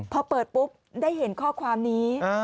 พอเปิดปุ๊บได้เห็นข้อความนี้